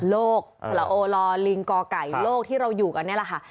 โรคระโอลาย์ลิงกอก่ายโรคที่เราอยู่กันได้ว่าค่ะ